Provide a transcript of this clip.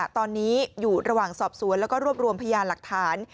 ตอนนี้อยู่ระหว่างสอบสวนแล้วก็รวบรวมพยานหลักฐาน